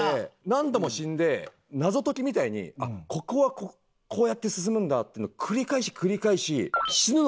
何度も死んで謎解きみたいにここはこうやって進むんだっていうのを繰り返し繰り返し死ぬの前提で。